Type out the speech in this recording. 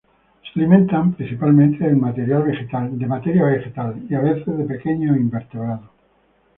Se alimentan principalmente de material vegetal, y a veces de pequeños invertebrados.